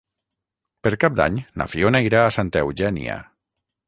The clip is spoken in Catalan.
Per Cap d'Any na Fiona irà a Santa Eugènia.